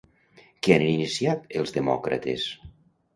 Què han iniciat els demòcrates?